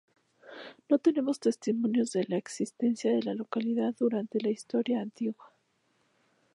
No tenemos testimonios de la existencia de la localidad durante la Historia Antigua.